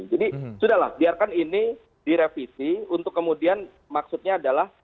jadi sudah lah biarkan ini direvisi untuk kemudian maksudnya adalah